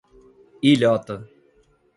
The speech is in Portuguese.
Ilhota